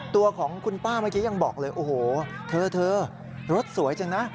ตัวของคุณป้าเมื่อกี้ยังบอกเลยโอ้โหเธอรถสวยจังนะ